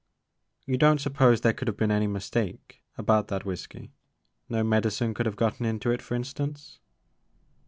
'* You don't suppose there could have been any mistake about that whiskey, — no medicine could have gotten into it for instance."